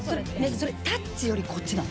それ、タッチよりこっちなの？